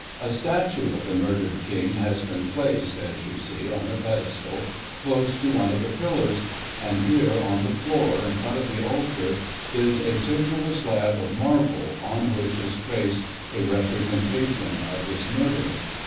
A statue of the murdered King has been placed, as you see, on a pedestal, close to one of the pillars, and here, on the floor, in front of the altar, is a circular slab of marble, on which is traced a representation of his murder.